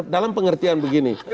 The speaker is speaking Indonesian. dalam pengertian begini